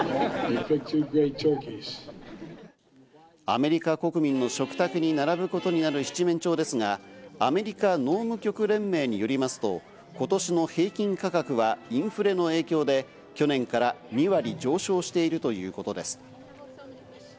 アメリカ国民の食卓に並ぶことになる七面鳥ですがアメリカ農務局連盟によりますと今年の平均価格はインフレの影響で、去年から２割上昇しているということです。